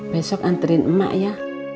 besok anterin emak ya